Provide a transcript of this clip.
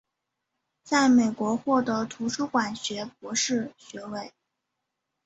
在美国获得图书馆学博士学位。